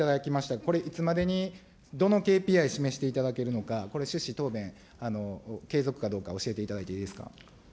これ、いつまでにどのＫＰＩ示していただけるのか、これ、趣旨、答弁、継続かどうか教えていただいていいですか。